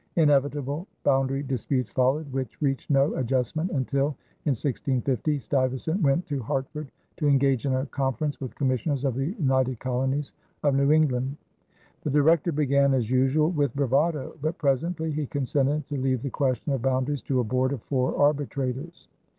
Inevitable boundary disputes followed, which reached no adjustment until, in 1650, Stuyvesant went to Hartford to engage in a conference with commissioners of the United Colonies of New England. The Director began as usual with bravado; but presently he consented to leave the question of boundaries to a board of four arbitrators.